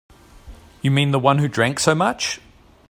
You mean the one who drank so much?